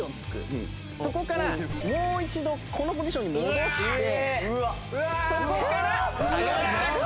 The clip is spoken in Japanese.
そこからもう一度このポジションに戻してそこから上がる。